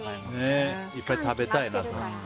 いっぱい食べたいなと。